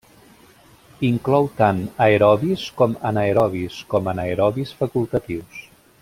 Inclou tant aerobis com anaerobis, com anaerobis facultatius.